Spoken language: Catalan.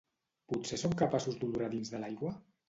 Potser són capaços d’olorar dins de l’aigua?